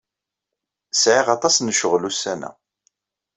Sɛiɣ aṭas n ccɣel ussan-a.